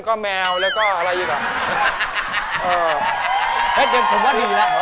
ก็แหมวและก็อะไรอีกล่ะ